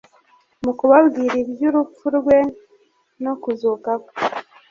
Mu kubabwira iby'urupfu rwe no kuzuka kwe,